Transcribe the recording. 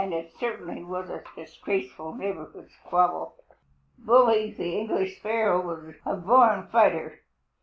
It certainly was a disgraceful neighborhood squabble. Bully the English Sparrow is a born fighter.